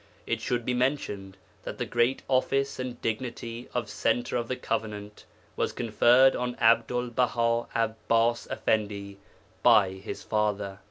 It should be mentioned that the great office and dignity of Centre of the Covenant was conferred on Abdul Baha Abbas Effendi by His father.